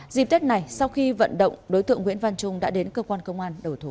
dịp tết này sau khi vận động đối tượng nguyễn văn trung đã đến cơ quan công an đầu thú